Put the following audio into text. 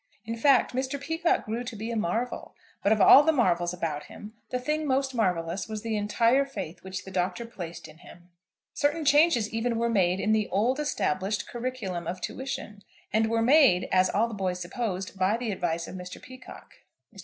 In fact, Mr. Peacocke grew to be a marvel; but of all the marvels about him, the thing most marvellous was the entire faith which the Doctor placed in him. Certain changes even were made in the old established "curriculum" of tuition, and were made, as all the boys supposed, by the advice of Mr. Peacocke. Mr.